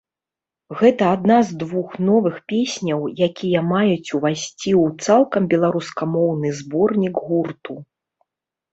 Гэта адна з двух новых песняў, якія маюць ўвайсці ў цалкам беларускамоўны зборнік гурту.